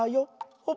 ほっ。